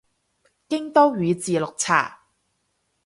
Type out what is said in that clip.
京都宇治綠茶